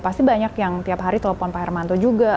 pasti banyak yang tiap hari telepon pak hermanto juga